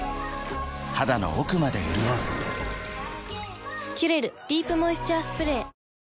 肌の奥まで潤う「キュレルディープモイスチャースプレー」